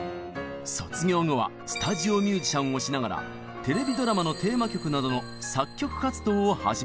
卒業後はスタジオミュージシャンをしながらテレビドラマのテーマ曲などの作曲活動を始めるのです。